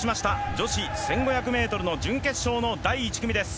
女子１５００ｍの準決勝の第１組です。